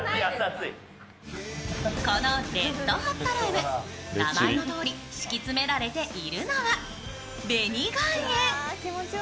このレッドホットルーム、名前のとおり敷き詰められているのは、紅岩塩。